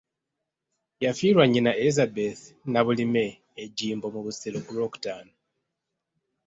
Yafiirwa Nnyina Elizabeth Nabulime e Gimbo mu Busiro ku Lwokutaano.